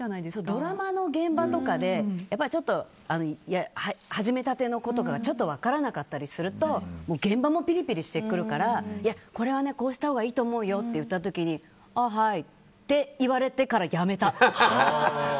ドラマの現場とかでちょっと始めたての子とかがちょっと分からなかったりすると現場のピリピリしてくるからこれはね、こうしたほうがいいと思うよって言った時にああ、はい。